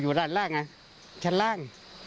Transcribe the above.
อยู่ด้านล่างชั้นล่าง